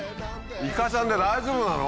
いかちゃんで大丈夫なの？